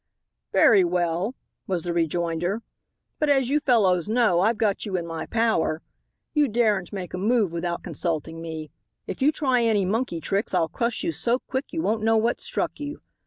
"Very well," was the rejoinder, "but as you fellows know, I've got you in my power. You daren't make a move without consulting me. If you try any monkey tricks I'll crush you so quick you won't know what struck you.